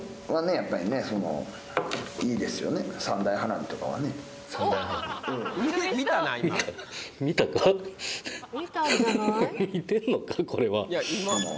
やっぱりねそのいいですよね三大花火とかはね三大花火ええ